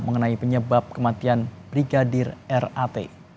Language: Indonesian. mengenai penyebab kematian brigadir r a t